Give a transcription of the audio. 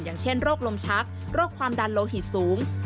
อย่างเช่นโรคลมชักโรคความดันโลหิตสูง